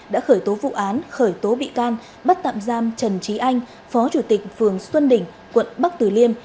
đã khởi tố vụ án khởi tố bị can bắt tạm giam trần trí anh phó chủ tịch phường xuân đỉnh quận bắc tử liêm